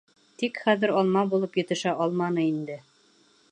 Тик хәҙер алма булып етешә алманы инде...